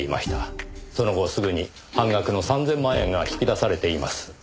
その後すぐに半額の３０００万円が引き出されています。